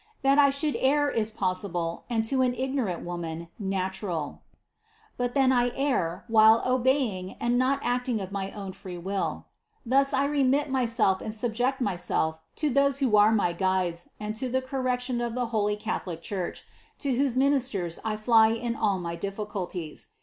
That I should err is possible, and to an ignorant woman, natural; but then I err, while obeying and not acting of my own free will ; thus I remit myself and subject myself to those who are my guides and to the correction of the holy Catholic Church, to whose ministers I fly in all my difficulties.